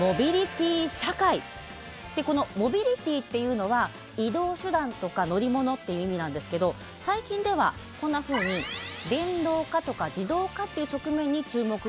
このモビリティっていうのは移動手段とか乗り物っていう意味なんですけど最近ではこんなふうに電動化とか自動化っていう側面に注目が集まっています。